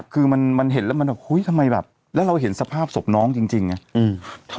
คือมันเห็นแล้วมันแบบเฮ้ยทำไมแบบแล้วเราเห็นสภาพศพน้องจริงไง